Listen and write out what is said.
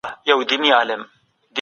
په ناحقه مال ګټل ګناه ده.